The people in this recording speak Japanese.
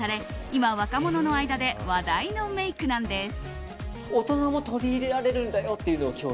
今、若者の間で話題のメイクなんです。